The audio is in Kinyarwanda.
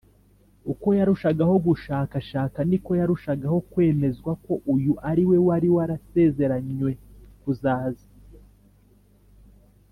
uko yarushagaho gushakashaka, niko yarushagaho kwemezwa ko uyu ari we wari warasezeranywe kuzaza